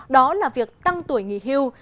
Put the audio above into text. đó là việc tăng tuổi nghỉ hưu